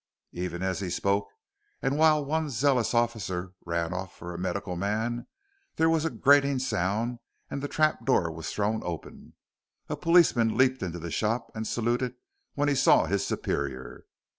Even as he spoke, and while one zealous officer ran off for a medical man, there was a grating sound and the trap door was thrown open. A policeman leaped into the shop and saluted when he saw his superior.